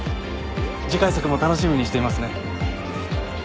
次回作も楽しみにしていますね。